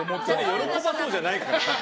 喜ばそうじゃないから。